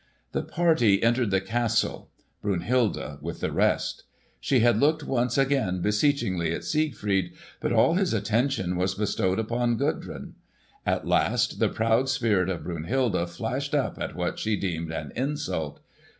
The party entered the castle, Brunhilde with the rest. She had looked once again beseechingly at Siegfried, but all his attention was bestowed upon Gudrun. At last the proud spirit of Brunhilde flashed up at what she deemed an insult.